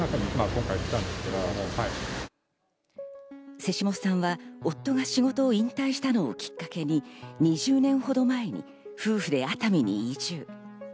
瀬下さんは夫が仕事を引退したのをきっかけに２０年ほど前に夫婦で熱海に移住。